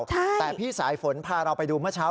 แต่พี่สายฝนพาเราไปดูเมื่อเช้า